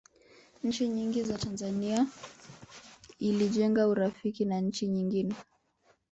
nchi nyingi za tanzania ilijenga urafiki na nchi nyingine